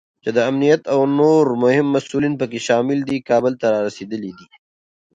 چې د امنیت او نور مهم مسوولین پکې شامل دي، کابل ته رارسېدلی دی